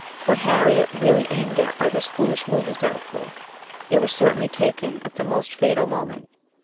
What Harriet really aimed at by this foolish move is doubtful ; it was certainly taken at the most fatal moment.